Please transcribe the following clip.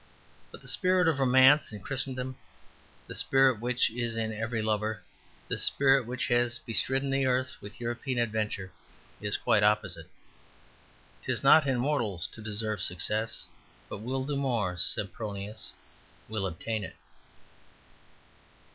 But the spirit of Romance and Christendom, the spirit which is in every lover, the spirit which has bestridden the earth with European adventure, is quite opposite. 'Tis not in mortals to deserve success. But we'll do more, Sempronius; we'll obtain it.